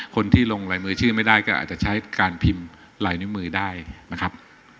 คนที่ลงลายมือชื่อไม่ได้ก็อาจจะใช้การพิมพ์ลายนิ้วมือได้นะครับ